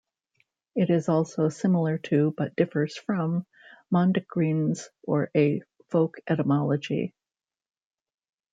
It is also similar to, but differs from, mondegreens or a folk etymology.